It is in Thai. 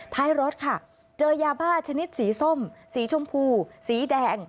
ท้ายรถค่ะเจอยาบ้าชนิดสีส้มสีชมพูสีแดง